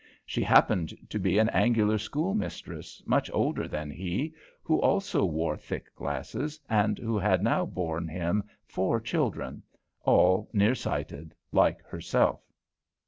She happened to be an angular school mistress, much older than he, who also wore thick glasses, and who had now borne him four children, all near sighted, like herself.